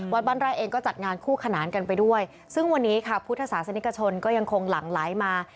บ้านไร่เองก็จัดงานคู่ขนานกันไปด้วยซึ่งวันนี้ค่ะพุทธศาสนิกชนก็ยังคงหลั่งไหลมา